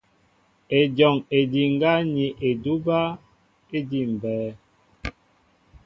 Ejɔŋ ediŋgá ni edúbɛ́ éjḭmbɛ́ɛ́.